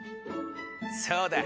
そうだ！